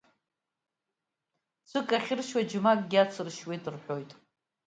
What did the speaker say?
Цәык ахьыршьуа џьмакгьы ацыршьуеит рҳәоит.